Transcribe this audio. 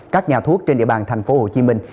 các nhà thuốc trên địa bàn thành phố hồ chí minh